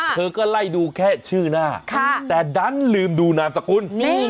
เธอก็ไล่ดูแค่ชื่อหน้าแต่ดันลืมดูนามสกุล